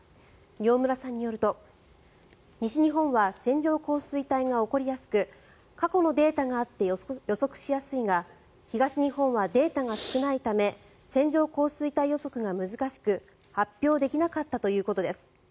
饒村さんによると、西日本は線状降水帯が起こりやすく過去のデータがあって予測しやすいが東日本はデータが少ないため線状降水帯予測が難しく発表できなかったということです。